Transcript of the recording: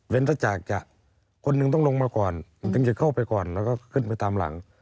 เป็นถ้าจากจะคนหนึ่งต้องลงมาก่อนถึงจะเข้าไปก่อนแล้วก็ขึ้นไปตามหลัง